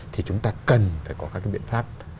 thì chúng ta cần phải có các cái biện pháp